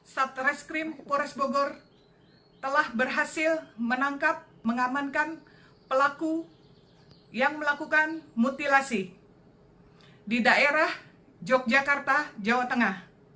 satreskrim pores bogor telah berhasil menangkap mengamankan pelaku yang melakukan mutilasi di daerah yogyakarta jawa tengah